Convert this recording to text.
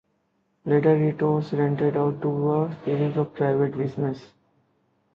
Later it was rented out to a series of private businesses.